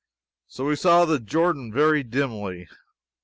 So we saw the Jordan very dimly.